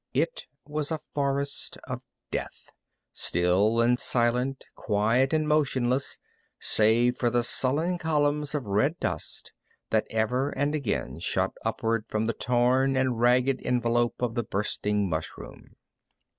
It was a forest of death, still and silent, quiet and motionless save for the sullen columns of red dust that ever and again shot upward from the torn and ragged envelope of the bursting mushroom.